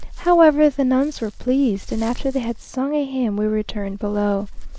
However, the nuns were pleased, and after they had sung a hymn, we returned below.